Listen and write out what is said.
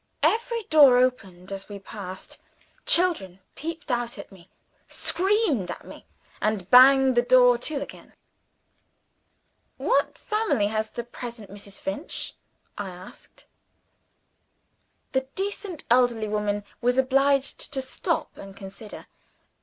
Every door opened as we passed; children peeped out at me, screamed at me, and banged the door to again. "What family has the present Mrs. Finch?" I asked. The decent elderly woman was obliged to stop, and consider.